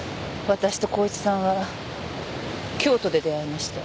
私と孝一さんは京都で出会いました。